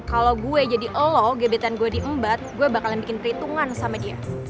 kalo gue jadi elo gebetan gue diembat gue bakalan bikin perhitungan sama dia